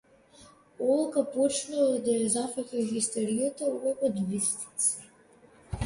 Олга почнала да ја зафаќа хистерија, овојпат вистински.